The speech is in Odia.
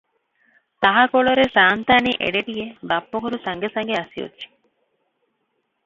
ତାହା କୋଳରେ ସାଆନ୍ତାଣୀ ଏଡ଼େଟିଏ, ବାପଘରୁ ସାଙ୍ଗେ ସାଙ୍ଗେ ଆସିଅଛି ।